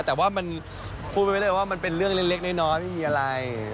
แต่ว่ามันพูดไม่ได้ว่ามันเป็นเรื่องเล็กน้อยไม่มีอะไร